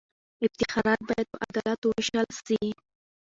افتخارات باید په عدالت ووېشل سي.